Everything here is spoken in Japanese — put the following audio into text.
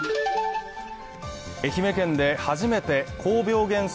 愛媛県で初めて高病原性、